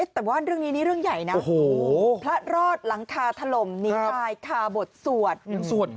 แต่ว่าเรื่องนี้นี่เรื่องใหญ่นะพระรอดหลังคาถล่มหนีตายคาบทสวด